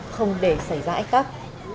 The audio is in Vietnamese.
không để xảy ra ách khắc